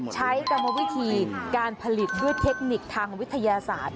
กรรมวิธีการผลิตด้วยเทคนิคทางวิทยาศาสตร์